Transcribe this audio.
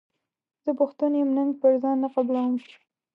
زه پښتون یم ننګ پر ځان نه قبلووم.